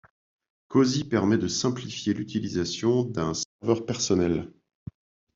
Cozy permet de simplifier l'utilisation d'un serveur personnel.